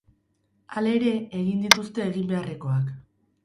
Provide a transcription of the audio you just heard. Halere, egin dituzte egin beharrekoak.